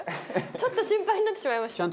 ちょっと心配になってしまいました。